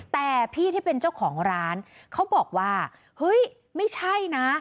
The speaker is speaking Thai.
แต่พี่ที่เป็นเจ้าของร้านเขาบอกว่าเฮ้ยไม่ใช่นะ